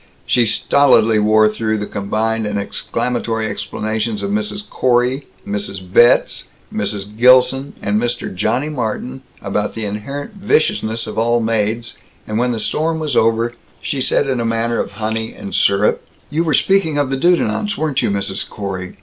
She stolidly wore through the combined and exclamatory explanations of Mrs. Corey, Mrs. Betz, Mrs. Gilson, and Mr. Johnny Martin about the inherent viciousness of all maids, and when the storm was over, she said in a manner of honey and syrup: "You were speaking of the Dudenants, weren't you, Mrs. Corey?